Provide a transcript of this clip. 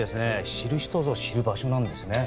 知る人ぞ知る場所なんですね。